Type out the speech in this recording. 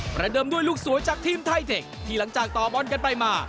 เดิมด้วยลูกสวยจากทีมไทยเทคที่หลังจากต่อบอลกันไปมา